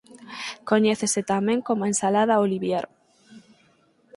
Coñécese tamén coma Ensalada Olivier.